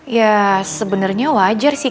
ya sebenernya wajar sih